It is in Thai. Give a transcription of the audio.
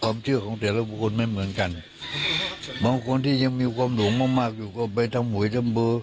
ความเชื่อของแต่ละบุคคลไม่เหมือนกันบางคนที่ยังมีความหลงมากอยู่ก็ไปทำหวยทำเบอร์